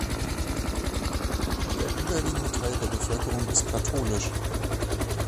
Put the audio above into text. Der überwiegende Teil der Bevölkerung ist katholisch.